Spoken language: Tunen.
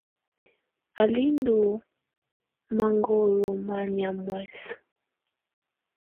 Á lɛ́ ndɔ́ maŋgzlɔ́ manyá muɛ̀sɛ.